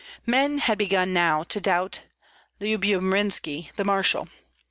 Men had begun now to doubt Lyubomirski, the marshal.